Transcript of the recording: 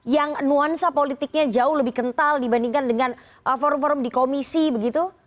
yang nuansa politiknya jauh lebih kental dibandingkan dengan forum forum di komisi begitu